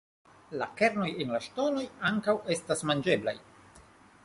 La kernoj en la ŝtonoj ankaŭ estas manĝeblaj.